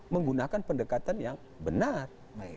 menggunakan pendekatan yang benar